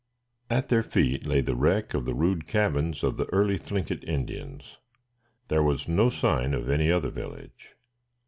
At their feet lay the wreck of the rude cabins of the early Thlinkit Indians. There was no sign of any other village.